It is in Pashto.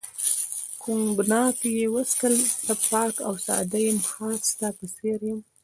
کوګناک یې وڅښل، زه پاک او ساده یم، خاص ستا په څېر یم.